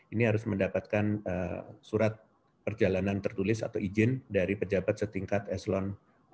ini harus mendapatkan surat perjalanan tertulis atau izin dari pejabat setingkat eslon dua